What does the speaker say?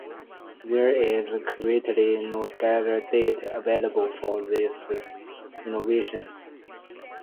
There is currently no target date available for these renovations.